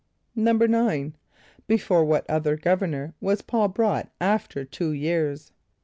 = =9.= Before what other governor was P[a:]ul brought after two years?